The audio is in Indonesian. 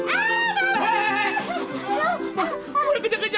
jangan luar biasa